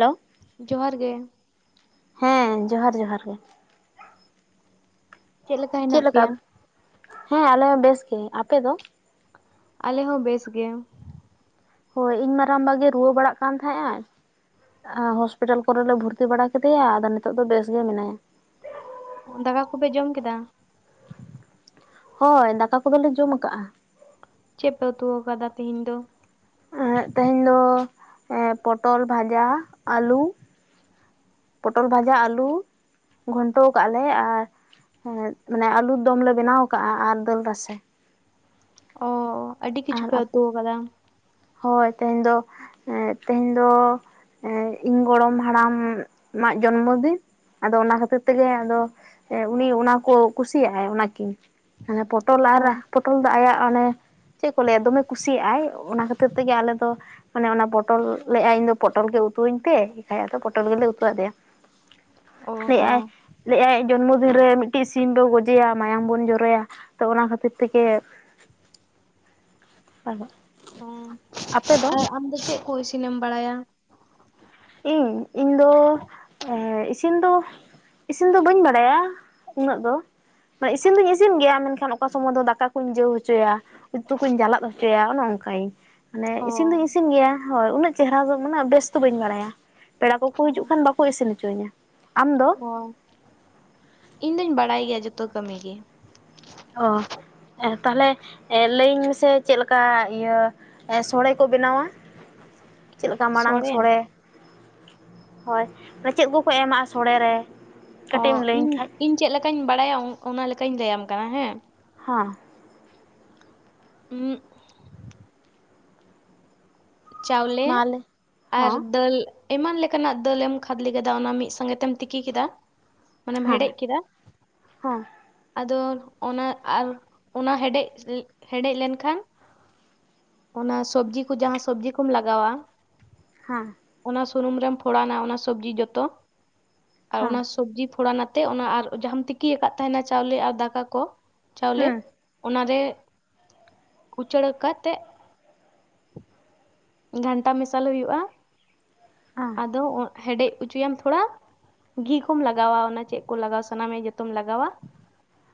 Hello. ᱡᱚᱦᱟᱨ ᱜᱮ ᱾ ᱦᱮᱸ ᱡᱚᱦᱟᱨ ᱡᱚᱦᱟᱨ ᱜᱮ ᱾ ᱪᱮᱫ ᱞᱮᱠᱟ? ᱦᱮᱸ ᱟᱞᱮ ᱦᱚᱸ ᱵᱮᱥ ᱜᱮ ᱾ ᱟᱯᱮ ᱫᱚ? ᱟᱞᱮ ᱦᱚᱸ ᱵᱮᱥ ᱜᱮ ᱾ ᱦᱳᱭ ᱤᱧ ᱢᱟᱨᱟᱝᱵᱟ ᱜᱮ ᱨᱩᱣᱟᱹ ᱵᱟᱲᱟᱜ ᱠᱟᱱ ᱛᱟᱦᱮᱸᱜ ᱟᱭ ᱾ ᱦᱚ ᱦᱚᱥᱯᱤᱴᱟᱞ ᱠᱚᱨᱮᱞᱮ ᱵᱷᱩᱨᱛᱤ ᱵᱟᱲᱟ ᱠᱮᱫᱮᱭᱟ ᱟᱫᱚ ᱱᱤᱛᱚᱜ ᱫᱚ ᱵᱮᱥ ᱜᱮ ᱢᱮᱱᱟᱭᱟ ᱾ ᱫᱟᱠᱟ ᱠᱚᱯᱮ ᱡᱚᱢ ᱠᱮᱫᱟ? ᱦᱳᱭ ᱫᱟᱠᱟ ᱠᱚᱫᱚ ᱞᱮ ᱡᱚᱢ ᱠᱟᱜᱼᱟ ᱾ ᱪᱮᱫ ᱯᱮ ᱩᱛᱩ ᱟᱠᱟᱫᱟ ᱛᱤᱦᱤᱧ ᱫᱚ? ᱮᱸᱜ ᱛᱮᱦᱮᱸᱧ ᱫᱚ ᱯᱚᱴᱚᱞ ᱵᱷᱟᱡᱟ, ᱟᱹᱞᱩ ᱾ ᱯᱚᱴᱚᱞ ᱵᱷᱟᱡᱟ, ᱟᱹᱞᱩ ᱾ ᱜᱷᱚᱱᱴᱚ ᱟᱠᱟᱜᱼᱟ ᱞᱮ ᱟᱨ ᱢᱟᱱᱮ ᱟᱞᱩ ᱫᱚᱢ ᱞᱮ ᱵᱮᱱᱟᱣ ᱟᱠᱟᱜᱼᱟ ᱟᱨ ᱫᱟᱹᱞ ᱨᱟᱥᱮ ᱾ ᱚᱻ ᱟᱹᱰᱤ ᱠᱤᱪᱷᱩ ᱟᱨ ᱯᱮ ᱩᱛᱩ ᱟᱠᱟᱫᱟ ᱾ ᱦᱳᱭ ᱛᱮᱦᱮᱧ ᱫᱚ ᱮ ᱛᱮᱦᱮᱧ ᱫᱚ ᱾ ᱮᱸ ᱤᱧ ᱜᱚᱲᱚᱢ ᱦᱟᱲᱟᱢ ᱢᱟᱜ ᱡᱚᱱᱢᱚ ᱫᱤᱱ ᱾ ᱟᱫᱚ ᱚᱱᱟ ᱠᱷᱟᱹᱛᱤᱨ ᱛᱮᱜᱮ ᱟᱫᱚ ᱩᱱᱤ ᱚᱱᱟ ᱠᱚ ᱠᱩᱥᱤᱭᱟᱜ ᱟᱭ ᱚᱱᱟ ᱠᱤᱱ ᱾ ᱦᱟᱱᱮ ᱯᱚᱴᱚᱞ ᱚ ᱟᱨ ᱯᱚᱴᱚᱞ ᱫᱚ ᱟᱭᱟᱜ ᱚᱱᱮ ᱪᱮᱫ ᱠᱚ ᱞᱟᱹᱭᱟ ᱫᱚᱢᱮ ᱠᱩᱥᱤᱭᱟᱜᱼᱟᱭ, ᱚᱱᱟ ᱠᱷᱟᱹᱛᱤᱨ ᱛᱮᱜᱮ ᱟᱞᱮ ᱫᱚ ᱚᱱᱮ ᱚᱱᱟ ᱯᱚᱴᱚᱞ ᱞᱟᱹᱭᱮᱜᱼᱟᱭ ᱤᱧᱫᱚ ᱯᱚᱴᱚᱞ ᱜᱮ ᱩᱛᱩᱣᱟᱹᱧ ᱯᱮ, ᱮᱱᱠᱷᱟᱡ ᱟᱫᱚ ᱯᱚᱴᱚᱞ ᱜᱮᱞᱮ ᱩᱛᱩ ᱟᱫᱮᱭᱟ ᱾ ᱚ ᱞᱟᱹᱭᱮᱜᱼᱟᱭ ᱦᱚᱸ ᱞᱟᱹᱭᱮᱜ-ᱟᱭ ᱡᱚᱱᱢᱚ ᱫᱤᱱ ᱨᱮ ᱢᱤᱫᱴᱤᱡ ᱥᱤᱢ ᱵᱚ ᱜᱚᱡᱮᱭᱟ, ᱢᱟᱭᱟᱢ ᱵᱚᱱ ᱡᱚᱨᱚᱭᱟ ᱾ ᱛᱚ ᱚᱱᱟ ᱠᱷᱟᱹᱛᱤᱨ ᱛᱮᱜᱮ ᱟᱫᱚ ᱚᱸ ᱟᱨ ᱟᱢ ᱫᱚ ᱪᱮᱫ ᱠᱚ ᱤᱥᱤᱱᱮᱢ ᱵᱟᱲᱟᱭᱟ? ᱤᱧ, ᱤᱧ ᱫᱚ ᱮᱻ ᱤᱥᱤᱱ ᱫᱚ ᱤᱥᱤᱱ ᱫᱚ ᱵᱟᱹᱧ ᱵᱟᱲᱟᱭᱟ ᱩᱱᱟᱹᱜ ᱫᱚ ᱾ ᱤᱥᱤᱱ ᱫᱩᱧ ᱤᱥᱤᱱ ᱜᱮᱭᱟ ᱢᱮᱱᱠᱷᱟᱱ ᱚᱠᱟ ᱥᱚᱢᱚᱭ ᱫᱚ ᱫᱟᱠᱟ ᱠᱩᱸᱧ ᱡᱟᱹᱣ ᱦᱚᱪᱚᱭᱟ ᱾ ᱩᱛᱩ ᱠᱚᱧ ᱡᱟᱞᱟᱫ ᱦᱚᱪᱚᱭᱟ ᱚᱱᱮ ᱚᱱᱠᱟᱭᱟᱧ, ᱢᱟᱱᱮ ᱚ ᱤᱥᱤᱱ ᱫᱩᱧ ᱤᱥᱤᱱ ᱜᱮᱭᱟ ᱾ ᱦᱳᱭ ᱩᱱᱟᱹᱜ ᱪᱮᱦᱨᱟ ᱫᱚ ᱢᱟᱱᱮ ᱵᱮᱥ ᱫᱚ ᱵᱟᱹᱧ ᱵᱟᱲᱟᱭᱟ ᱾ ᱯᱮᱲᱟ ᱠᱚᱠᱚ ᱦᱤᱡᱩᱜ ᱠᱷᱟᱱ ᱵᱟᱠᱚ ᱤᱥᱤᱱ ᱦᱚᱪᱚᱣᱟᱧᱟ ᱾ ᱟᱢ ᱫᱚ? ᱚ ᱤᱧ ᱫᱚᱧ ᱵᱟᱲᱟᱭ ᱜᱮᱭᱟ ᱡᱚᱛᱚ ᱠᱟᱹᱢᱤ ᱜᱮ ᱾ ᱚ ᱛᱟᱦᱚᱞᱮ ᱮ ᱞᱟᱹᱭᱟᱹᱧ ᱢᱮᱥᱮ ᱪᱮᱫ ᱞᱮᱠᱟ ᱤᱭᱟᱹ ᱥᱚᱲᱮ ᱠᱚ ᱵᱮᱱᱟᱣᱟ? ᱪᱮᱫ ᱞᱮᱠᱟ ᱢᱟᱲᱟᱝ ᱥᱚᱲᱮ ᱦᱳᱭ ᱪᱮᱫ ᱠᱚᱠᱚ ᱮᱢᱟᱜᱼᱟ ᱥᱚᱲᱮ ᱨᱮ? ᱚ ᱠᱟᱹᱴᱤᱡ ᱮᱢ ᱞᱟᱹᱭᱟᱹᱧ ᱤᱧ, ᱠᱷᱟᱡ ᱤᱧ ᱪᱮᱫ ᱞᱮᱠᱟᱸᱧ ᱵᱟᱲᱟᱭᱟ ᱚᱱᱟ ᱞᱮᱠᱟᱧ ᱞᱟᱹᱭᱟᱢ ᱠᱟᱱᱟ ᱦᱮᱸ ᱾ ᱦᱚᱸ ᱾ ᱩᱸᱜ ᱪᱟᱣᱞᱮ ᱢᱟᱞᱮ ᱟᱨ ᱦᱚᱸ ᱫᱟᱹᱞ ᱮᱢᱟᱱ ᱞᱮᱠᱟᱱᱟᱜ ᱫᱟᱹᱞᱮᱢ ᱠᱷᱟᱫᱽᱞᱮ ᱠᱮᱫᱟ ᱚᱱᱟ ᱢᱤᱫ ᱥᱚᱸᱜᱮ ᱛᱮᱢ ᱛᱤᱠᱤ ᱠᱮᱫᱟ ᱢᱟᱱᱮᱢ ᱦᱚᱸ ᱦᱮᱰᱮᱡ ᱠᱮᱫᱟ ᱦᱚᱸ ᱟᱫᱚ ᱚᱱᱟ ᱟᱨ ᱚᱱᱟ ᱦᱮᱰᱮᱡ ᱮ ᱦᱮᱰᱮᱡ ᱞᱮᱱᱠᱷᱟᱱ ᱚᱱᱟ ᱥᱚᱵᱡᱤ ᱠᱚ ᱡᱟᱦᱟᱸ ᱥᱚᱵᱡᱤ ᱠᱚᱢ ᱞᱟᱜᱟᱣᱟ ᱦᱟᱸ ᱚᱱᱟ ᱥᱩᱱᱩᱢ ᱨᱮᱢ ᱯᱷᱚᱲᱟᱱᱟ ᱚᱱᱟ ᱥᱚᱵᱡᱤ ᱡᱚᱛᱚ ᱟᱨ ᱦᱚᱸ ᱚᱱᱟ ᱥᱚᱵᱽᱡᱤ ᱯᱷᱚᱲᱟ ᱱᱟᱛᱮ ᱚᱱᱟ ᱟᱨ ᱡᱟᱦᱟᱸᱢ ᱛᱤᱠᱤᱭᱟᱠᱟᱫ ᱛᱟᱦᱮᱱᱟ ᱪᱟᱣᱞᱮ ᱟᱨ ᱫᱟᱠᱟ ᱠᱚ ᱪᱟᱣᱞᱮ ᱦᱩᱸ ᱚᱱᱟ ᱨᱮ ᱩᱪᱟᱹᱲ ᱠᱟᱛᱮᱜ [inaudible] ᱜᱷᱟᱱᱴᱟ ᱢᱮᱥᱟᱞ ᱦᱩᱭᱩᱜᱼᱟ ᱟ ᱟᱫᱚ ᱚ ᱦᱮᱰᱮᱡ ᱦᱚᱪᱚᱭᱟᱢ ᱛᱷᱚᱲᱟ ᱜᱷᱤ ᱠᱚᱢ ᱞᱟᱜᱟᱣᱟ ᱚᱱᱟ ᱪᱮᱫ ᱠᱚ ᱞᱟᱜᱟᱣᱟ ᱥᱟᱱᱟᱢᱭᱟ ᱡᱚᱛᱚᱢ ᱞᱟᱜᱟᱣᱟᱼᱼ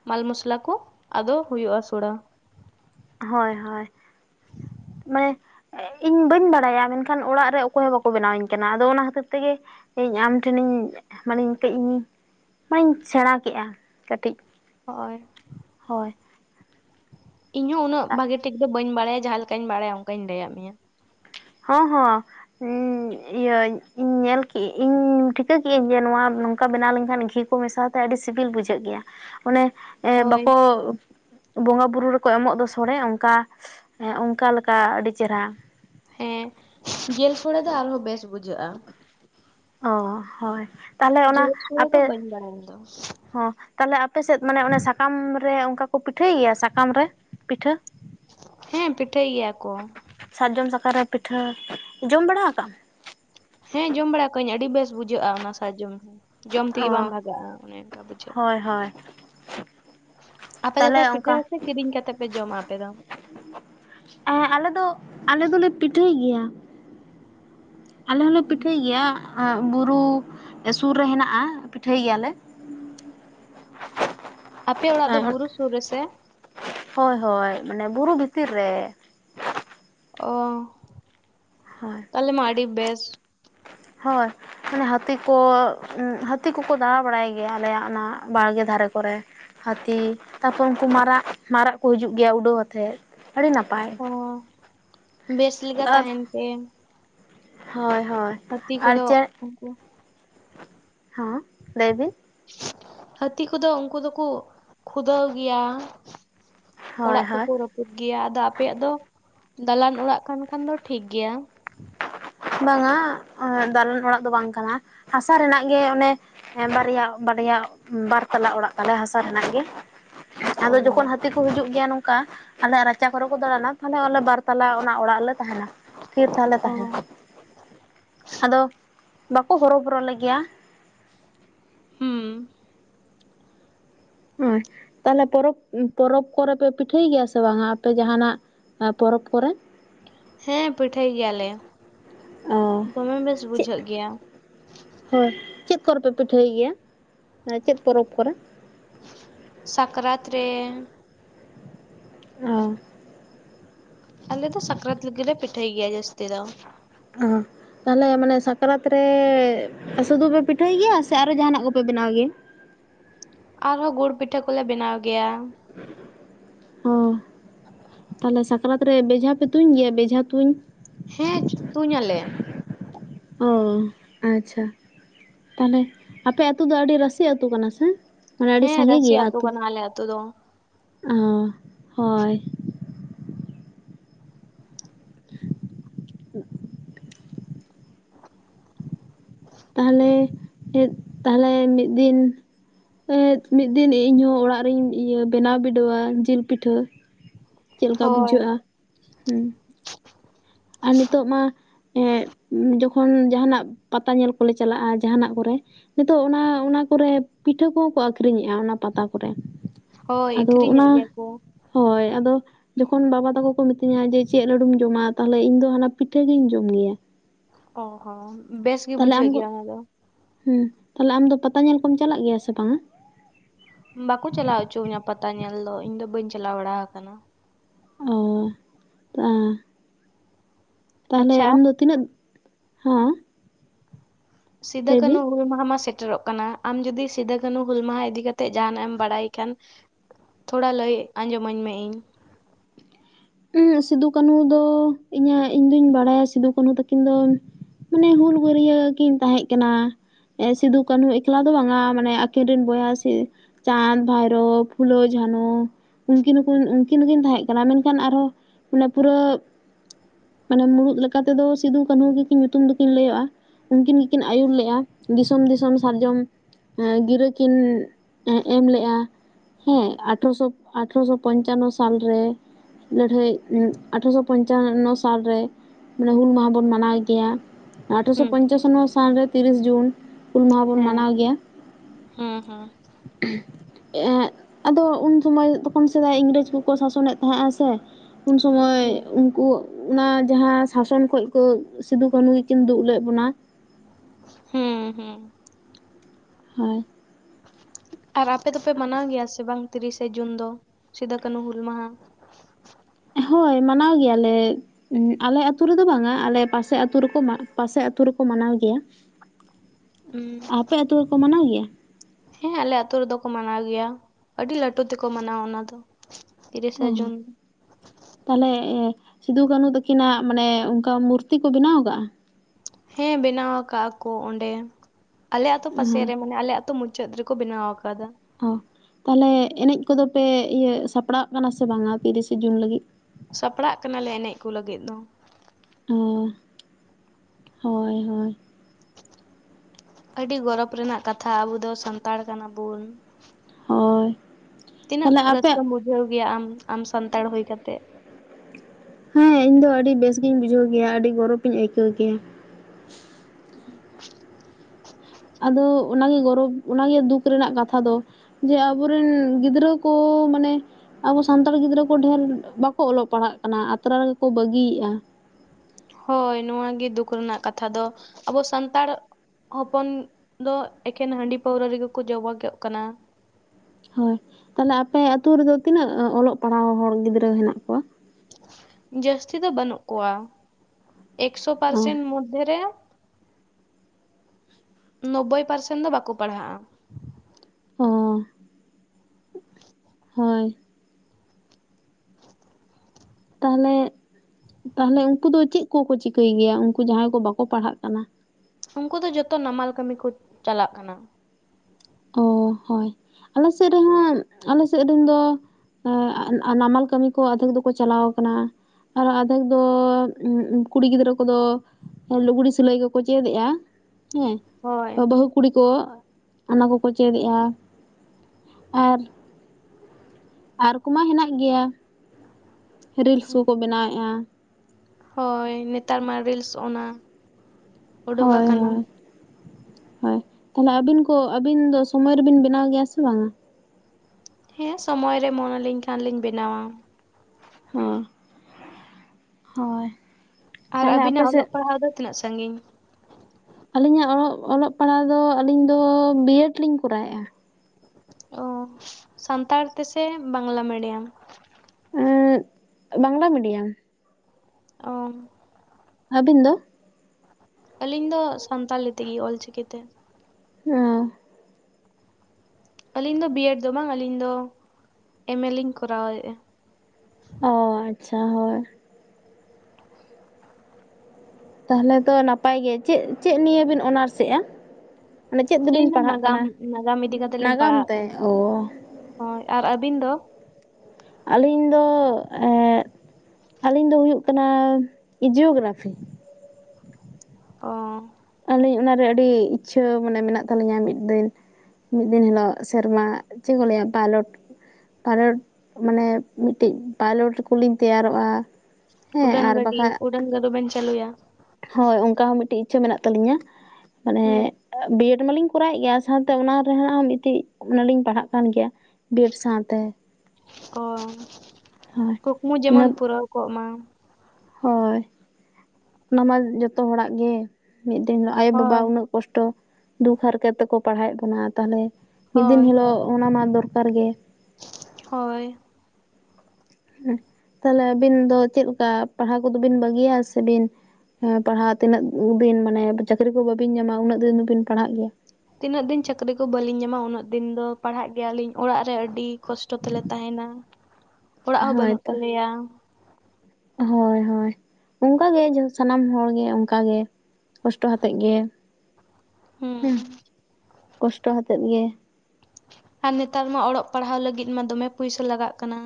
ᱢᱟᱞ ᱢᱚᱥᱞᱟ ᱠᱚ ᱟᱫᱚ ᱦᱩᱭᱩᱜᱼᱟ ᱥᱚᱲᱟ᱾ ᱦᱳᱭ, ᱦᱳᱭ, ᱢᱟᱱᱮ ᱤᱧ ᱵᱟᱹᱧ ᱵᱟᱲᱟᱭᱟ ᱢᱮᱱᱠᱷᱟᱱ ᱚᱲᱟᱜ ᱨᱮ ᱚᱠᱚᱭ ᱦᱚᱸ ᱵᱟᱠᱚ ᱵᱮᱱᱟᱣ ᱤᱧ ᱠᱟᱱᱟ ᱟᱫᱚ ᱚᱱᱟ ᱠᱷᱟᱹᱛᱤᱨ ᱛᱮᱜᱮᱼᱼ ᱤᱧ ᱟᱢ ᱴᱷᱮᱱᱤᱧ, ᱢᱟᱱᱮ ᱠᱟᱹᱡ ᱤᱧ ᱢᱟᱱᱮᱧ ᱥᱮᱬᱟ ᱠᱮᱜᱼᱟ ᱠᱟᱹᱴᱤᱡ᱾ ᱦᱳᱭ ᱦᱳᱭ ᱤᱧ ᱦᱚᱸ ᱩᱱᱟᱹᱜ ᱵᱷᱟᱜᱮ ᱴᱷᱤᱠ ᱫᱚᱼᱼ ᱵᱟᱹᱧ ᱵᱟᱲᱟᱭᱟ ᱡᱟᱦᱟᱸ ᱞᱮᱠᱟᱧ ᱵᱟᱲᱟᱭᱟ ᱚᱱᱠᱟᱧ ᱞᱟᱹᱭᱟᱫ ᱢᱮᱭᱟ᱾ ᱦᱚᱸ ᱦᱚᱸ ᱦᱚᱸ ᱤᱭᱟᱹ ᱤᱧ ᱧᱮᱞ ᱠᱤᱟᱧ ᱴᱷᱤᱠᱟᱹ ᱠᱤᱟᱧ ᱡᱮ ᱱᱚᱣᱟ ᱱᱚᱝᱠᱟ ᱵᱮᱱᱟᱣ ᱞᱮᱱᱠᱷᱟᱱ ᱜᱷᱤᱼᱼ ᱢᱮᱥᱟ ᱟᱛᱮ ᱟᱹᱰᱤ ᱥᱤᱵᱤᱞ ᱵᱩᱡᱷᱟᱹᱜ ᱜᱮᱭᱟ ᱚᱱᱮ ᱦᱳᱭ ᱵᱟᱠᱚᱼᱼ ᱵᱚᱸᱜᱟ ᱵᱩᱨᱩ ᱨᱮᱠᱚ ᱮᱢᱚᱜ ᱫᱚ ᱥᱚᱲᱮ ᱚᱱᱠᱟ ᱚᱱᱠᱟ ᱞᱮᱠᱟ ᱟᱹᱰᱤ ᱪᱮᱨᱦᱨᱟ, ᱦᱮᱸ ᱡᱮᱞ ᱥᱳᱚᱲᱮ ᱫᱚ ᱟᱨᱦᱚᱸ ᱵᱮᱥ ᱵᱩᱡᱷᱟᱹᱜᱼᱟ᱾ ᱚ ᱦᱳᱭ ᱛᱟᱦᱞᱮ ᱡᱤᱞ ᱚᱱᱟ ᱥᱚᱲᱮ ᱫᱚ ᱟᱯᱮᱼᱼ ᱵᱟᱹᱧ ᱵᱟᱲᱟᱭᱟ ᱤᱧ ᱫᱚ ᱦᱚᱸ ᱛᱟᱦᱞᱮ ᱟᱯᱮᱥᱮᱫ ᱢᱟᱱᱮ ᱚᱱᱮ ᱥᱟᱠᱟᱢ ᱨᱮ ᱚᱱᱠᱟ ᱠᱚ ᱯᱤᱴᱷᱟᱹᱭ ᱜᱮᱭᱟ ᱥᱟᱠᱟᱢ ᱨᱮ ᱯᱤᱴᱷᱟᱹ? ᱦᱮᱸ ᱯᱤᱴᱷᱟᱹᱭ ᱜᱮᱭᱟ ᱠᱚᱼᱼ ᱥᱟᱨᱡᱚᱢ ᱥᱟᱠᱟᱢ ᱨᱮ ᱯᱤᱴᱷᱟᱹ ᱡᱚᱢ ᱵᱟᱲᱟ ᱠᱟᱜᱼᱟᱢ? ᱦᱮᱸ ᱡᱚᱢ ᱵᱟᱲᱟ ᱠᱚᱟᱜ ᱟᱹᱧ ᱟᱹᱰᱤ ᱵᱮᱥ ᱵᱩᱡᱷᱟᱹᱜᱼᱟ ᱚᱱᱟ ᱥᱟᱨᱡᱚᱢ ᱦᱚᱸ ᱡᱚᱢ ᱟᱢ ᱛᱮᱜᱮ ᱵᱟᱢ ᱚ ᱵᱷᱟᱜᱟᱜᱼᱟ ᱚᱱᱮ ᱚᱱᱠᱟ ᱵᱩᱡᱷᱟᱹᱜᱼᱟ᱾ ᱦᱳᱭ ᱦᱳᱭ᱾ ᱟᱯᱮ ᱛᱟᱦᱚᱞᱮ ᱫᱚᱯᱮ ᱚᱱᱠᱟ ᱯᱤᱴᱷᱟᱹᱭᱟᱥᱮ ᱠᱤᱨᱤᱧ ᱠᱟᱛᱮ ᱯᱮ ᱡᱚᱢᱟ ᱟᱯᱮ ᱫᱚ? ᱟ ᱟᱞᱮ ᱫᱚ ᱟᱞᱮ ᱫᱚᱞᱮ ᱯᱤᱴᱷᱟᱹᱭ ᱜᱮᱭᱟᱼᱼ ᱟᱞᱮ ᱦᱚᱸᱞᱮ ᱯᱤᱴᱷᱟᱹᱭ ᱜᱮᱭᱟ ᱵᱩᱨᱩ ᱥᱩᱨ ᱨᱮ ᱦᱮᱱᱟᱜᱼᱟ ᱯᱤᱴᱷᱟᱹᱭ ᱜᱮᱭᱟᱞᱮ, ᱟᱯᱮ ᱚᱲᱟᱜ ᱫᱚ ᱵᱩᱨᱩ ᱥᱩᱨ ᱨᱮᱥᱮ? ᱦᱳᱭ ᱦᱳᱭ ᱢᱟᱱᱮ ᱵᱩᱨᱩ ᱵᱷᱤᱛᱤᱨ ᱨᱮ, ᱚᱻ ᱦᱳᱭᱼᱼ ᱢᱟᱱᱮ ᱦᱟᱹᱛᱤ ᱠᱚ ᱦᱟᱹᱛᱤ ᱠᱚᱠᱚ ᱫᱟᱬᱟ ᱵᱟᱲᱟᱭ ᱜᱮᱭᱟ ᱟᱞᱮᱭᱟᱜ ᱚᱱᱟ ᱵᱟᱲᱜᱮ ᱫᱷᱟᱨᱮ ᱠᱚᱨᱮ ᱦᱟᱹᱛᱤ ᱛᱟᱯᱚᱨ ᱩᱱᱠᱩ ᱢᱟᱨᱟᱜ ᱢᱟᱨᱟᱜ ᱠᱚ ᱦᱤᱡᱩᱜ ᱜᱮᱭᱟ ᱩᱰᱟᱹᱣ ᱟᱛᱮᱫ ᱟᱹᱰᱤ ᱱᱟᱯᱟᱭᱼᱼ ᱚᱸ ᱵᱮᱥ ᱞᱮᱠᱟ ᱟᱨ ᱛᱟᱦᱮᱱ ᱯᱮ᱾ ᱦᱳᱭ ᱦᱳᱭ ᱦᱟᱹᱛᱤ ᱟᱨ ᱠᱚᱫᱚ ᱪᱮᱫ ᱩᱱᱠᱩ ᱦᱚᱸ ᱞᱟᱹᱭ ᱵᱤᱱ? ᱦᱟᱹᱛᱤ ᱠᱚᱫᱚ ᱩᱱᱠᱩ ᱫᱚᱠᱚ ᱠᱷᱩᱫᱟᱹᱣ ᱜᱮᱭᱟ, ᱦᱳᱭ ᱚᱲᱟᱜ ᱦᱳᱭ ᱠᱚᱠᱚ ᱨᱟᱹᱯᱩᱫ ᱜᱮᱭᱟ ᱟᱫᱚ ᱟᱯᱮᱭᱟᱜ ᱫᱚ ᱫᱟᱞᱟᱱ ᱚᱲᱟᱜ ᱠᱟᱱ ᱠᱷᱟᱱ ᱫᱚ ᱴᱷᱤᱠ ᱜᱮᱭᱟ ᱵᱟᱝᱟ ᱫᱟᱞᱟᱱ ᱚᱲᱟᱜ ᱫᱚ ᱵᱟᱝ ᱠᱟᱱᱟ ᱦᱟᱥᱟ ᱨᱮᱱᱟᱜ ᱜᱮ ᱚᱱᱮᱼᱼ ᱵᱟᱨᱭᱟ ᱵᱟᱨᱭᱟ ᱵᱟᱨ ᱛᱟᱞᱟ ᱚᱲᱟᱜ ᱛᱟᱞᱮ ᱦᱟᱥᱟ ᱨᱮᱱᱟᱜ ᱜᱮᱼᱼ ᱚ ᱟᱫᱚ ᱡᱚᱠᱷᱚᱱ ᱦᱟᱹᱛᱤ ᱠᱚ ᱦᱤᱡᱩᱜ ᱜᱮᱭᱟ ᱱᱚᱝᱼᱼ ᱠᱟ ᱟᱞᱮ ᱨᱟᱪᱟ ᱠᱚᱨᱮ ᱠᱚ ᱫᱟᱬᱟᱱᱟ ᱛᱟᱦᱚᱞᱮ ᱟᱞᱮ ᱵᱟᱨᱛᱟᱟᱞᱟ ᱚᱱᱟ ᱚᱲᱟᱜ ᱨᱮ ᱞᱮ ᱛᱟᱦᱮᱱᱟ᱾ ᱛᱷᱤᱨ ᱛᱷᱟᱨ ᱞᱮ ᱚ ᱛᱟᱦᱮᱱᱟ ᱟᱫᱚ ᱵᱟᱠᱚ ᱦᱚᱨᱚᱵᱚᱨᱚ ᱞᱮᱜᱮᱭᱟ ᱦᱚᱸᱢ ᱦᱳᱭ ᱛᱟᱦᱞᱮ ᱯᱚᱨᱚᱵᱽ ᱯᱚᱨᱚᱵᱽ ᱠᱚᱨᱮ ᱯᱮ ᱯᱤᱴᱷᱟᱹᱭ ᱜᱮᱭᱟ ᱥᱮ ᱵᱟᱝᱟ ᱟᱯᱮ ᱡᱟᱦᱱᱟᱜ? ᱟᱨ ᱯᱚᱨᱚᱵᱽ ᱠᱚᱨᱮ? ᱦᱮᱸ ᱯᱤᱴᱷᱟᱹᱭ ᱜᱮᱭᱟᱞᱮ ᱚ ᱫᱚᱢᱮ ᱵᱮᱥ ᱪᱮᱫ ᱵᱩᱡᱷᱟᱹᱜ ᱜᱮᱭᱟ᱾ ᱦᱳᱭ ᱪᱮᱫ ᱠᱚᱨᱮᱯᱮ ᱯᱤᱴᱷᱟᱹᱭ ᱜᱮᱭᱟ ᱪᱮᱫ ᱯᱚᱨᱚᱵᱽ ᱠᱚᱨᱮ? ᱥᱟᱠᱨᱟᱛ ᱨᱮᱼᱼ ᱚᱸ ᱟᱞᱮ ᱫᱚ ᱥᱟᱠᱨᱟᱛ ᱞᱮᱜᱮ ᱞᱮ ᱯᱤᱴᱷᱟᱹᱭ ᱜᱮᱭᱟ ᱡᱟᱹᱥᱛᱤ ᱫᱚ, ᱚᱸ ᱛᱟᱦᱚᱞᱮ ᱢᱟᱱᱮ ᱥᱟᱠᱨᱟᱛ ᱨᱮ ᱥᱩᱫᱷᱩᱯᱮ ᱯᱤᱴᱷᱟᱹᱭ ᱜᱮᱭᱟ ᱥᱮ ᱟᱨᱚ ᱦᱚ ᱡᱟᱦᱟᱱᱟᱜ ᱠᱚᱯᱮ ᱵᱮᱱᱟᱣ ᱜᱮᱭᱟ? ᱟᱨᱦᱚᱸ ᱜᱩᱲ ᱯᱤᱴᱷᱟᱹ ᱠᱚᱞᱮ ᱵᱮᱱᱟᱣ ᱜᱮᱭᱟ᱾ ᱚᱸ ᱛᱟᱦᱚᱞᱮ ᱥᱟᱼᱼ ᱥᱟᱠᱨᱟᱛ ᱨᱮ ᱵᱮᱡᱷᱟ ᱯᱮ ᱛᱩᱧ ᱜᱮᱭᱟ ᱵᱮᱡᱷᱟ ᱛᱩᱧ? ᱦᱮᱸ ᱛᱩᱧ ᱟᱞᱮ ᱾ ᱚᱻ ᱟᱪᱪᱷᱟ ᱛᱟᱦᱞᱮ ᱟᱯᱮ ᱟᱹᱛᱩ ᱫᱚ ᱟᱹᱰᱤ ᱨᱟᱥᱤ ᱟᱹᱛᱩ ᱠᱟᱱᱟ ᱥᱮ ᱢᱟᱱᱮ ᱟᱹᱰᱤ ᱦᱮᱸ ᱥᱟᱸᱜᱮ ᱨᱟᱹᱥᱤ ᱜᱮᱭᱟ ᱟᱹᱛᱩ ᱠᱟᱱᱟ ᱟᱞᱮ ᱟᱹᱛᱩ ᱫᱚ ᱚ ᱦᱚᱭ [unintelligible] ᱛᱟᱦᱞᱮ ᱛᱟᱦᱞᱮ ᱢᱤᱫ ᱫᱤᱱ ᱮᱸᱫ ᱢᱤᱫ ᱫᱤᱱ ᱤᱧᱦᱚᱸ ᱚᱲᱟᱜ ᱨᱮᱧ ᱤᱭᱟᱹ ᱵᱮᱱᱟᱣ ᱵᱤᱰᱟᱹᱣᱟ ᱡᱤᱞ ᱯᱤᱴᱷᱟᱹ ᱪᱮᱫ ᱞᱮᱠᱟ ᱦᱳᱭ ᱵᱩᱡᱷᱟᱹᱜᱼᱟ ᱦᱩᱸ ᱟᱨ ᱱᱤᱛᱚᱜ ᱢᱟ ᱮ ᱡᱚᱠᱷᱚᱱ ᱡᱟᱦᱟᱸ ᱱᱟᱜ ᱯᱟᱛᱟ ᱧᱮᱞ ᱠᱚ ᱠᱚᱞᱮ ᱪᱟᱞᱟᱜᱼᱟ ᱡᱟᱦᱟᱸᱱᱟᱜ ᱠᱚᱨᱮ ᱱᱤᱛᱚᱜ ᱚᱱᱟ ᱚᱱᱟ ᱠᱚᱨᱮ ᱯᱤᱴᱷᱟᱹ ᱠᱚᱦᱚᱸ ᱠᱚ ᱟᱠᱷᱨᱤᱧᱮᱜᱼᱟ ᱚᱱᱟ ᱯᱟᱛᱟ ᱠᱚᱨᱮ ᱦᱳᱭ ᱟᱫᱚ ᱚᱱᱟ ᱟᱹᱠᱷᱨᱤᱧᱮᱫ ᱜᱮᱭᱟ ᱠᱚ ᱦᱳᱭ ᱟᱫᱚ ᱡᱚᱠᱷᱚᱱ ᱵᱟᱵᱟ ᱛᱟᱠᱚ ᱠᱚ ᱢᱤᱛᱟᱹᱧᱟ ᱡᱮ ᱪᱮᱫ ᱞᱟᱹᱰᱩᱢ ᱡᱚᱢᱟ ᱛᱟᱦᱞᱮ ᱤᱧ ᱫᱚ ᱦᱟᱱᱟ ᱯᱤᱴᱷᱟᱹ ᱜᱤᱧ ᱡᱚᱢ ᱜᱮᱭᱟ᱾ ᱚ ᱦᱚᱸ ᱵᱮᱥ ᱜᱮ ᱛᱟᱦᱚᱞᱮ ᱟᱢ ᱵᱩᱡᱷᱟᱹᱜ ᱫᱚ ᱜᱮᱭᱟ ᱚᱱᱟ ᱦᱩᱸ ᱛᱟᱦᱚᱞᱮ ᱟᱢ ᱫᱚ ᱯᱟᱛᱟ ᱧᱮᱞ ᱠᱚᱢ ᱪᱟᱞᱟᱜ ᱜᱮᱭᱟ ᱥᱮ ᱵᱟᱝᱟ? ᱵᱟᱠᱚ ᱪᱟᱞᱟᱣ ᱚᱪᱚᱣᱤᱧᱟᱹ ᱯᱟᱛᱟ ᱧᱮᱞ ᱫᱚ ᱤᱧ ᱫᱚ ᱵᱟᱹᱧ ᱪᱟᱞᱟᱣ ᱵᱟᱲᱟ ᱠᱟᱱᱟ᱾ ᱚ ᱛᱟ ᱛᱟᱦᱞᱮ ᱟᱪᱪᱷᱟ ᱟᱢᱫᱚ ᱛᱤᱱᱟᱹᱜ ᱦᱚᱸᱼᱼ ᱥᱤᱫᱟᱹ ᱠᱟᱹᱱᱩ ᱦᱩᱞ ᱢᱟᱦᱟ ᱢᱟ ᱥᱮᱴᱮᱨᱚᱜ ᱠᱟᱱᱟ ᱟᱢ ᱡᱩᱫᱤ ᱥᱤᱫᱩ ᱠᱟᱹᱱᱩ ᱦᱩᱞ ᱢᱟᱦᱟ ᱤᱫᱤ ᱠᱟᱛᱮᱫ ᱡᱟᱦᱟᱱᱟᱜ ᱮᱢ ᱵᱟᱲᱟᱭ ᱠᱷᱟᱱ ᱛᱷᱚᱲᱟ ᱞᱟᱹᱭ ᱟᱸᱡᱚᱢᱟᱹᱧ ᱢᱮ ᱤᱧ ᱥᱤᱫᱩ- ᱠᱟᱹᱱᱩ ᱫᱚ ᱤᱧᱟᱹᱜ ᱤᱧᱫᱩᱧ ᱵᱟᱲᱟᱭᱟ ᱥᱤᱫᱩᱼ ᱠᱟᱹᱱᱩ ᱛᱟᱹᱠᱤᱱ ᱫᱚ ᱢᱟᱱᱮ ᱦᱩᱞᱜᱟᱹᱨᱭᱟᱹ ᱠᱤᱱ ᱛᱟᱦᱮᱸᱜ ᱠᱟᱱᱟ ᱥᱤᱫᱩ ᱠᱟᱱᱩ ᱮᱠᱞᱟ ᱫᱚ ᱵᱟᱝᱟ ᱢᱟᱱᱮ ᱟᱹᱠᱤᱱ ᱨᱮᱱ ᱵᱚᱭᱦᱟ ᱥᱤ ᱪᱟᱸᱫᱽ ᱵᱷᱟᱭᱨᱳ ᱯᱷᱩᱞᱳ ᱡᱷᱟᱱᱳ ᱩᱱᱠᱤᱱ ᱦᱚᱸ ᱩᱱᱠᱤᱱ ᱦᱚᱸᱠᱤᱱ ᱛᱟᱦᱮᱸ ᱠᱟᱱᱟ ᱢᱮᱱᱠᱷᱟᱱ ᱢᱮᱱ ᱠᱷᱟᱱ ᱟᱨᱦᱚᱸ ᱢᱟᱱᱮ ᱯᱩᱨᱟᱹ ᱢᱟᱱᱮ ᱢᱩᱲᱩᱫ ᱞᱮᱠᱟ ᱛᱮᱫᱚ ᱥᱤᱫᱩ ᱠᱟᱹᱱᱦᱩ ᱜᱮᱠᱤᱱ ᱧᱩᱛᱩᱢ ᱫᱚᱠᱤᱱ ᱞᱟᱹᱭᱚᱜᱼᱟ᱾ ᱩᱱᱠᱤᱱ ᱜᱮᱠᱤᱱ ᱟᱹᱭᱩᱨ ᱞᱮᱜᱼᱟ ᱫᱤᱥᱚᱢ ᱫᱤᱥᱚᱢ ᱥᱟᱨᱡᱚᱢ ᱜᱤᱨᱟᱹ ᱠᱤᱱ ᱮᱢ ᱞᱮᱫᱼᱟ᱾ ᱦᱮᱸ ᱟᱴᱷᱨᱚᱥᱚ ᱟᱴᱷᱨᱚᱥᱚ ᱯᱚᱧᱪᱟᱱᱱᱚ ᱥᱟᱞ ᱨᱮ᱾ ᱞᱟᱹᱲᱦᱟᱹᱭ ᱟᱴᱷᱨᱚᱥᱚ ᱯᱚᱧᱪᱟᱱᱱᱚ ᱥᱟᱞᱨᱮ ᱢᱟᱱᱮ ᱦᱩᱞ ᱢᱟᱦᱟ ᱵᱚᱱ ᱢᱟᱱᱟᱣ ᱜᱮᱭᱟ᱾ ᱟᱴᱷᱨᱚᱥᱚ ᱦᱩᱸ ᱯᱚᱧᱪᱟᱥᱱᱚ ᱥᱟᱞ ᱨᱮ ᱛᱤᱨᱤᱥ ᱡᱩᱱ᱾ ᱦᱩᱞ ᱢᱟᱦᱟ ᱵᱚᱱ ᱦᱮᱸ ᱢᱟᱱᱟᱣ ᱜᱮᱭᱟ᱾ ᱦᱩᱸ ᱦᱩᱸ ᱮᱫ ᱟᱫᱚ ᱩᱱ ᱥᱚᱢᱚᱭ ᱛᱚᱠᱷᱚᱱ ᱥᱮᱫᱟᱭ ᱤᱝᱨᱮᱡᱽ ᱠᱚᱠᱚ ᱥᱟᱥᱚᱱᱮᱫ ᱛᱟᱦᱮᱸᱜᱼᱟ ᱥᱮ ᱩᱱ ᱥᱚᱢᱚᱭ ᱦᱩᱸ ᱩᱱ ᱠᱩ ᱚᱱᱟ ᱡᱟᱦᱟᱸ ᱥᱟᱥᱚᱱ ᱠᱷᱚᱡ ᱠᱚ ᱥᱤᱫᱩ ᱠᱟᱹᱱᱩ ᱜᱮᱠᱤᱱ ᱫᱩᱜ ᱞᱮᱫ ᱵᱚᱱᱟ᱾ ᱦᱩᱸ ᱦᱩᱸ ᱦᱳᱭ ᱟᱨ ᱟᱯᱮ ᱫᱚᱯᱮ ᱢᱟᱱᱟᱣ ᱜᱮᱭᱟ ᱥᱮ ᱵᱟᱝ ᱛᱤᱨᱤᱥᱮ ᱡᱩᱱ ᱫᱚ ᱥᱤᱫᱩ ᱠᱟᱱᱦᱩ ᱦᱩᱞ ᱢᱟᱦᱟ? ᱦᱳᱭ ᱢᱟᱱᱟᱣ ᱜᱮᱭᱟᱞᱮ᱾ ᱟᱞᱮ ᱟᱹᱛᱩ ᱨᱮᱫᱚ ᱵᱟᱝᱟ ᱟᱞᱮ ᱯᱟᱥᱮ ᱟᱹᱛᱩ ᱨᱮᱠᱚ ᱯᱟᱥᱮ ᱟᱹᱛᱩ ᱨᱮᱠᱚ ᱢᱟᱱᱟᱣ ᱜᱮᱭᱟ᱾ ᱦᱩᱸ ᱟᱯᱮ ᱟᱹᱛᱩ ᱨᱮᱠᱚ ᱢᱟᱱᱟᱣ ᱜᱮᱭᱟ ᱦᱮᱸ ᱟᱞᱮ ᱟᱹᱛᱳ ᱨᱮᱫᱚ ᱠᱚ ᱢᱟᱱᱟᱣ ᱜᱮᱭᱟ ᱟᱹᱰᱤ ᱞᱟᱹᱴᱩ ᱛᱮᱠᱚ ᱢᱟᱱᱟᱣᱟ ᱚᱱᱟ ᱫᱚ᱾ ᱛᱤᱨᱤᱥᱟ ᱡᱩᱱ᱾ ᱛᱟᱦᱞᱮ ᱥᱤᱫᱩ ᱠᱟᱹᱱᱩ ᱛᱠᱤᱱᱟᱜ ᱢᱟᱱᱮ ᱚᱱᱠᱟ ᱢᱩᱨᱛᱤ ᱠᱚ ᱵᱮᱱᱟᱣ ᱠᱟᱜᱼᱟ? ᱦᱮᱸ ᱵᱮᱱᱟᱣ ᱟᱠᱟᱜ ᱟᱠᱚ ᱚᱸᱰᱮ ᱟᱞᱮ ᱟᱛᱳ ᱯᱟᱥᱮ ᱦᱮᱸ ᱨᱮ ᱢᱟᱱᱮ ᱟᱞᱮ ᱟᱛᱳ ᱢᱩᱪᱟᱹᱫ ᱢᱩᱪᱟᱹᱫ ᱨᱮᱠᱚ ᱵᱮᱱᱟᱣ ᱠᱟᱫᱟ᱾ ᱚ ᱛᱟᱦᱞᱮ ᱮᱱᱮᱡ ᱠᱚᱫᱚ ᱯᱮ ᱤᱭᱟᱹ ᱥᱟᱯᱲᱟᱜ ᱠᱟᱱᱟ ᱥᱮ ᱵᱟᱝᱟ ᱛᱤᱨᱤᱥᱮ ᱡᱩᱱ ᱞᱟᱹᱜᱤᱫ? ᱥᱟᱯᱲᱟᱜ ᱠᱟᱱᱟᱞᱮ ᱮᱱᱮᱡ ᱠᱚ ᱞᱟᱹᱜᱤᱫ ᱫᱚ᱾ ᱮᱸ ᱦᱳᱭ ᱦᱳᱭ ᱟᱹᱰᱤ ᱜᱚᱨᱚᱵᱽ ᱨᱮᱱᱟᱜ ᱠᱟᱛᱷᱟ ᱟᱵᱚ ᱫᱚ ᱥᱟᱱᱛᱟᱲ ᱠᱟᱱᱟ ᱵᱚᱱ ᱦᱚᱭ ᱛᱤᱱᱟᱹᱜ ᱨᱟᱹᱥᱠᱟᱹᱢ ᱵᱩᱡᱷᱟᱹᱣ ᱜᱮᱭᱟ ᱟᱢ ᱟᱢ ᱥᱟᱱᱛᱟᱲ ᱦᱩᱭ ᱠᱟᱛᱮᱫ ᱦᱮᱸ ᱤᱧ ᱫᱚ ᱟᱹᱰᱤ ᱵᱮᱥ ᱜᱮᱤᱧ ᱵᱩᱡᱷᱟᱹᱣ ᱜᱮᱭᱟ ᱟᱹᱰᱤ ᱜᱚᱨᱚᱵᱽ ᱤᱧ ᱟᱹᱭᱠᱟᱹᱣ ᱜᱮᱭᱟ [inaudible] ᱟᱫᱚ ᱚᱱᱟᱜᱮ ᱜᱚᱨᱚᱵᱽ ᱚᱱᱟᱜᱮ ᱫᱩᱠ ᱨᱮᱱᱟᱜ ᱠᱟᱛᱷᱟ ᱫᱚ ᱡᱮ ᱟᱵᱚᱨᱮᱱ ᱜᱤᱫᱽᱨᱟᱹ ᱠᱚ ᱢᱟᱱᱮ ᱟᱵᱚ ᱥᱟᱱᱛᱟᱲ ᱜᱤᱫᱽᱨᱟᱹ ᱠᱚ ᱰᱷᱮᱨ ᱵᱟᱠᱚ ᱚᱞᱚᱜ ᱯᱟᱲᱦᱟᱜ ᱠᱟᱱᱟ ᱟᱛᱨᱟ ᱨᱮᱜᱮᱠᱚ ᱵᱟᱹᱜᱤᱭᱮᱫᱼᱟ ᱦᱳᱭ ᱱᱚᱣᱟᱜᱮ ᱫᱩᱠ ᱨᱮᱱᱟᱜ ᱠᱟᱛᱷᱟ ᱫᱚ ᱟᱵᱚ ᱥᱟᱱᱛᱟᱲ ᱦᱚᱯᱚᱱ ᱫᱚ ᱮᱠᱷᱮᱱ ᱦᱟᱺᱰᱤ ᱯᱟᱹᱣᱨᱟᱹ ᱨᱮᱜᱮ ᱠᱚ ᱡᱚᱵᱚᱜᱚᱜ ᱠᱟᱱᱟ ᱦᱳᱭ ᱛᱟᱦᱞᱮ ᱟᱯᱮ ᱟᱛᱩ ᱨᱮᱫᱚ ᱛᱤᱱᱟᱹᱜ ᱚᱞᱚᱜ ᱯᱟᱲᱦᱟᱣ ᱦᱚᱲ ᱜᱤᱫᱽᱨᱟᱹ ᱦᱮᱱᱟᱜ ᱠᱚᱣᱟ ᱡᱟᱹᱥᱛᱤ ᱫᱚ ᱵᱟᱹᱱᱩᱜ ᱠᱚᱣᱟ ᱮᱠᱥᱚ ᱚ ᱯᱟᱨᱥᱮᱱ ᱢᱚᱫᱽᱫᱷᱮ ᱨᱮ ᱱᱚᱵᱽᱵᱳᱭ ᱯᱟᱨᱥᱮᱱ ᱫᱚ ᱵᱟᱠᱚ ᱯᱟᱲᱦᱟᱜᱼᱟ ᱚ ᱦᱳᱭ ᱛᱟᱦᱚᱞᱮ ᱛᱟᱦᱚᱞᱮ ᱩᱱᱠᱩ ᱫᱚ ᱪᱮᱫ ᱠᱚᱠᱚ ᱪᱤᱠᱟᱹᱭ ᱜᱮᱭᱟ ᱩᱱᱠᱩ ᱡᱟᱦᱟᱸᱭ ᱠᱚ ᱵᱟᱠᱚ ᱯᱟᱲᱦᱟᱜ ᱠᱟᱱᱟ ᱩᱱᱠᱩ ᱫᱚ ᱡᱚᱛᱚ ᱱᱟᱢᱟᱞ ᱠᱟᱹᱢᱤ ᱠᱚ ᱪᱟᱞᱟᱜ ᱠᱟᱱᱟ ᱚ ᱦᱳᱭ ᱟᱞᱮ ᱥᱮᱫ ᱨᱮᱦᱚᱸ ᱟᱞᱮ ᱥᱮᱫ ᱨᱮᱱ ᱫᱚ ᱱᱟᱢᱟᱞ ᱠᱟᱹᱢᱤ ᱠᱚ ᱟᱫᱷᱮᱠ ᱫᱚᱠᱚ ᱪᱟᱞᱟᱣ ᱠᱟᱱᱟ ᱟᱨ ᱟᱫᱷᱮᱠ ᱫᱚ ᱠᱩᱲᱤ ᱜᱤᱫᱽᱨᱟᱹ ᱠᱚᱫᱚ ᱞᱩᱜᱽᱲᱤ ᱥᱤᱞᱟᱹᱭ ᱠᱚᱠᱚ ᱪᱮᱫ ᱮᱫᱼᱟ ᱦᱮᱸ ᱦᱳᱭ ᱵᱟᱹᱦᱩ ᱠᱩᱲᱤ ᱠᱚ ᱚᱱᱟ ᱠᱚᱠᱚ ᱪᱮᱫᱮᱜᱼᱟ ᱟᱨ ᱟᱨ ᱠᱚᱢᱟ ᱦᱮᱱᱟᱜ ᱜᱮᱭᱟ ᱨᱤᱞ ᱥᱳ ᱠᱚ ᱵᱮᱱᱟᱣᱮᱫᱼᱟ ᱦᱳᱭ ᱱᱮᱛᱟᱨ ᱢᱟ ᱨᱤᱞᱥ ᱚᱱᱟ ᱩᱰᱩᱠ ᱦᱳᱭ ᱟᱠᱟᱱᱟ ᱦᱳᱭ ᱦᱳᱭ ᱛᱟᱦᱞᱮ ᱟᱹᱵᱤᱱ ᱠᱚ ᱟᱹᱵᱤᱱ ᱫᱚ ᱥᱚᱢᱚᱭ ᱨᱮᱵᱤᱱ ᱵᱮᱱᱟᱣ ᱜᱮᱭᱟ ᱥᱮ ᱵᱟᱝᱟ ᱦᱮᱸ ᱥᱚᱢᱳᱚᱭ ᱨᱮ ᱢᱚᱱ ᱞᱤᱧ ᱠᱷᱟᱱ ᱞᱤᱧ ᱵᱮᱱᱟᱣᱟ ᱦᱮᱸ ᱦᱳᱭ ᱟᱨ ᱛᱟᱦᱚᱞᱮ ᱟᱯᱮ ᱟᱵᱤᱱᱟᱜ ᱥᱮᱫ ᱚᱞᱚᱜ ᱯᱟᱲᱦᱟᱣ ᱫᱚ ᱛᱤᱱᱟᱹᱜ ᱥᱟᱺᱜᱤᱧ ᱟᱹᱞᱤᱧᱟᱜ ᱚᱞᱚᱜ ᱚᱞᱚᱜ ᱯᱟᱲᱦᱟᱣ ᱫᱚ ᱟᱹᱞᱤᱧ ᱫᱚ ᱵᱤᱭᱮᱰ ᱞᱤᱧ ᱠᱚᱨᱟᱣᱮᱫᱼᱟ, ᱚ ᱥᱟᱱᱛᱟᱲ ᱛᱮᱥᱮ ᱵᱟᱝᱞᱟ ᱢᱤᱰᱤᱭᱟᱢ, ᱮᱸᱫ ᱵᱟᱝᱞᱟ ᱢᱤᱰᱤᱭᱟᱢ, ᱚ ᱟᱵᱤᱱ ᱫᱚ ᱟᱹᱞᱤᱧ ᱫᱚ ᱥᱟᱱᱛᱟᱞᱤ ᱛᱮ ᱤᱭᱟᱹ ᱚᱞᱪᱤᱠᱤ ᱛᱮ ᱚ ᱟᱞᱤᱧ ᱫᱚ ᱵᱤᱭᱮᱰ ᱫᱚ ᱵᱟᱝ ᱟᱹᱞᱤᱧ ᱫᱚ ᱮᱢ ᱮ ᱞᱤᱧ ᱠᱚᱨᱟᱣᱮᱫᱼᱟ ᱚ ᱟᱪᱪᱷᱟ ᱦᱳᱭ ᱛᱟᱦᱚᱞᱮ ᱫᱚ ᱱᱟᱯᱟᱭ ᱜᱮ ᱪᱮᱫ ᱪᱮᱫ ᱱᱤᱭᱟᱹᱮ ᱵᱮᱱ ᱚᱱᱟᱨᱥ ᱮᱫᱼᱟ ᱢᱟᱱᱮ ᱪᱮᱫ ᱟᱹᱞᱤᱧ ᱫᱚᱵᱤᱱ ᱫᱚ ᱯᱟᱲᱦᱟᱜ ᱱᱟᱜᱟᱢ ᱠᱟᱱᱟ ᱱᱟᱜᱟᱢ ᱤᱫᱤ ᱠᱟᱛᱮ ᱞᱤᱧ ᱱᱟᱜᱟᱢ ᱯᱟᱲᱦᱟᱜ ᱛᱮ, ᱠᱟᱱᱟ ᱚᱻ ᱦᱳᱭ ᱟᱨ ᱟᱹᱵᱤᱱ ᱫᱚ ᱟᱹᱞᱤᱧ ᱫᱚ ᱦᱮᱸ ᱟᱹᱞᱤᱧ ᱫᱚ ᱦᱩᱭᱩᱜ ᱠᱟᱱᱟ ᱡᱤᱭᱳᱜᱨᱟᱯᱷᱤ ᱚ ᱟᱹᱞᱤᱧ ᱚᱱᱟᱨᱮ ᱟᱹᱰᱤ ᱤᱪᱪᱷᱟᱹ ᱢᱟᱱᱮ ᱢᱮᱱᱟᱜ ᱛᱟᱹᱟᱞᱤᱧᱟ ᱢᱤᱫ ᱫᱤᱱ ᱢᱤᱫ ᱫᱤᱱ ᱦᱤᱞᱳᱜ ᱥᱮᱨᱢᱟ ᱪᱮᱫ ᱠᱚ ᱞᱟᱹᱭᱟ ᱯᱟᱭᱞᱚᱴ ᱯᱟᱭᱞᱚᱴ ᱢᱟᱱᱮ ᱢᱤᱫᱴᱤᱡ ᱯᱟᱭᱞᱚᱴ ᱠᱚᱞᱤᱤᱧ ᱛᱮᱭᱟᱨᱚᱜᱼᱟ ᱦᱮᱸ ᱩᱰᱟᱹᱱ ᱟᱨ ᱜᱟᱹᱰᱤ ᱵᱟᱠᱷᱟᱡ ᱩᱰᱟᱹᱱ ᱜᱟᱹᱰᱤ ᱵᱮᱱ ᱪᱟᱹᱟᱞᱩᱭᱟ ᱦᱳᱭ ᱚᱱᱠᱟ ᱦᱚᱸ ᱢᱤᱫᱴᱮᱱ ᱤᱪᱪᱷᱟᱹ ᱢᱮᱱᱟᱜ ᱛᱟᱹᱟᱞᱤᱧᱟ ᱢᱟᱱᱮ ᱦᱩᱸ ᱵᱤᱭᱮᱰ ᱢᱟᱞᱤᱧ ᱠᱚᱨᱟᱣᱮᱫ ᱜᱮᱭᱟ ᱥᱟᱶᱛᱮ ᱚᱱᱟ ᱨᱮᱱᱟᱜ ᱦᱚᱸ ᱢᱤᱫᱴᱤᱡ ᱚᱱᱟ ᱞᱤᱧ ᱯᱟᱲᱦᱟᱜ ᱠᱟᱱ ᱜᱮᱭᱟ ᱵᱤᱭᱮᱰ ᱥᱟᱶᱛᱮ ᱦᱳᱭ ᱚ ᱠᱩᱢᱩ ᱡᱮᱢᱚᱱ ᱯᱩᱨᱟᱹᱣ ᱠᱟᱜ-ᱢᱟ ᱦᱚᱭ ᱚᱱᱟ ᱢᱟ ᱡᱚᱛᱚ ᱦᱚᱲᱟᱜ ᱜᱮ ᱢᱤᱫ ᱫᱤᱱ ᱦᱤᱞᱳᱜ ᱟᱭᱳᱼᱵᱟᱵᱟ ᱦᱳᱭ ᱩᱱᱟᱹᱜ ᱠᱚᱥᱴᱚ ᱫᱩᱠ ᱦᱟᱨᱠᱮᱛ ᱛᱮᱠᱚ ᱯᱟᱲᱦᱟᱣᱮᱫ ᱵᱚᱱᱟ ᱛᱟᱦᱞᱮ ᱢᱤᱫ ᱫᱤᱱ ᱦᱳᱭ ᱦᱤᱞᱳᱜ ᱚᱱᱟᱢᱟ ᱫᱚᱨᱠᱟᱨ ᱜᱮ ᱦᱚᱭ ᱛᱟᱦᱞᱮ ᱟᱹᱵᱤᱱ ᱫᱚ ᱪᱮᱫᱠᱟ ᱯᱟᱲᱦᱟᱣ ᱠᱚᱫᱚ ᱵᱤᱱ ᱵᱟᱹᱜᱤᱭᱟ ᱥᱮᱵᱤᱱ ᱮᱸ ᱯᱟᱲᱦᱟᱜ ᱛᱤᱱᱟᱹᱜ ᱫᱤᱱ ᱢᱟᱱᱮ ᱪᱟᱹᱠᱨᱤ ᱠᱚ ᱵᱟᱵᱤᱱ ᱧᱟᱢᱟ ᱩᱱᱟᱹᱜ ᱫᱤᱱ ᱫᱚᱵᱤᱱ ᱯᱟᱲᱦᱟᱜ ᱜᱮᱭᱟ ᱛᱤᱱᱟᱹᱜ ᱫᱤᱱ ᱪᱟᱹᱠᱨᱤ ᱠᱚ ᱵᱟᱹᱞᱤᱧ ᱧᱟᱢᱟ ᱩᱱᱟᱹᱜ ᱫᱤᱱ ᱫᱚ ᱯᱟᱲᱦᱟᱜ ᱜᱮᱭᱟᱞᱤᱧ ᱚᱲᱟᱜ ᱨᱮ ᱟᱹᱰᱤ ᱠᱚᱥᱴᱚ ᱛᱮᱞᱮ ᱛᱟᱦᱮᱸᱱᱟ ᱚᱲᱟᱜ ᱦᱚᱸ ᱦᱳᱭ ᱵᱟᱹᱱᱩᱜ ᱛᱚ ᱛᱟᱞᱮᱭᱟ᱾ ᱦᱳᱭ ᱦᱳᱭ ᱚᱱᱠᱟᱜᱮ ᱥᱟᱱᱟᱢ ᱦᱚᱲ ᱜᱮ ᱚᱱᱠᱟᱜᱮ ᱠᱚᱥᱴᱚ ᱦᱛᱮᱫ ᱜᱮ ᱦᱩᱸ ᱠᱚᱥᱴᱚ ᱦᱛᱮᱫ ᱜᱮ ᱟᱨ ᱱᱮᱛᱟᱨ ᱢᱟ ᱚᱞᱚᱜ ᱯᱟᱲᱦᱟᱣ ᱞᱟᱹᱜᱤᱫ ᱢᱟ ᱫᱚᱢᱮ ᱯᱩᱭᱥᱟᱹ ᱞᱟᱜᱟᱜ ᱠᱟᱱᱟ᱾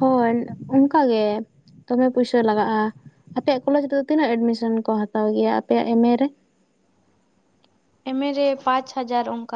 ᱦᱳᱭ ᱚᱱᱠᱟᱜᱮ ᱫᱚᱢᱮ ᱯᱩᱭᱥᱟᱹ ᱞᱟᱜᱟᱜᱼᱟ ᱟᱯᱮᱭᱟᱜ ᱠᱚᱞᱮᱡᱽ ᱨᱮᱫᱚ ᱛᱤᱱᱟᱹᱜ ᱮᱰᱢᱤᱥᱮᱱ ᱠᱚ ᱦᱟᱛᱟᱣ ᱜᱮᱭᱟ ᱟᱯᱮᱭᱟᱜ ᱮᱢᱮ ᱨᱮ? ᱮ ᱢᱮ ᱨᱮ ᱯᱟᱸᱪ ᱦᱟᱡᱟᱨ ᱚᱱᱠᱟ